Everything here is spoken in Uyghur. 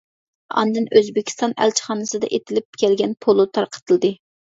ئاندىن ئۆزبېكىستان ئەلچىخانىسىدا ئېتىلىپ كەلگەن پولۇ تارقىتىلدى.